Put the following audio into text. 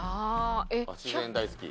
自然大好き？